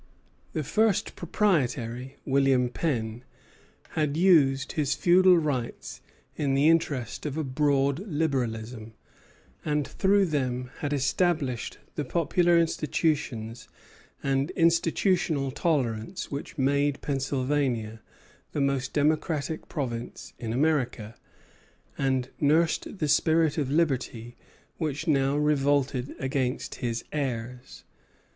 The first proprietary, William Penn, had used his feudal rights in the interest of a broad liberalism; and through them had established the popular institutions and universal tolerance which made Pennsylvania the most democratic province in America, and nursed the spirit of liberty which now revolted against his heirs.